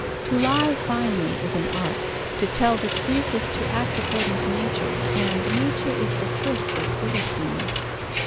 To lie finely is an Art, to tell the truth is to act according to Nature, and Nature is the first of Philistines.